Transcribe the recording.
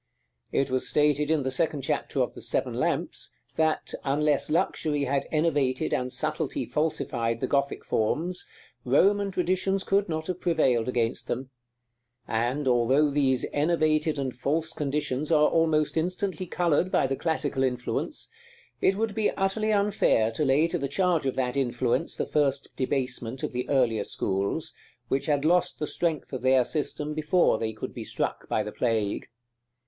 It was stated in the second chapter of the "Seven Lamps," that, unless luxury had enervated and subtlety falsified the Gothic forms, Roman traditions could not have prevailed against them; and, although these enervated and false conditions are almost instantly colored by the classical influence, it would be utterly unfair to lay to the charge of that influence the first debasement of the earlier schools, which had lost the strength of their system before they could be struck by the plague.